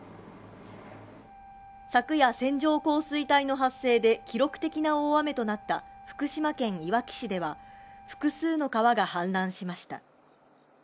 昨夜、線状降水帯の発生で記録的な大雨となった福島県いわき市では複数の川が氾濫しました。